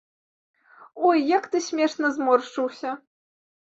Ой, як ты смешна зморшчыўся!